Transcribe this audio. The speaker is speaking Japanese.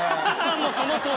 もうそのとおり。